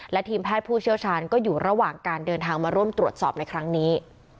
และทีมแพทย์ผู้เชี่ยวชาญก็อยู่ระหว่างการเดินทางมาร่วมตรวจสอบในครั้งนี้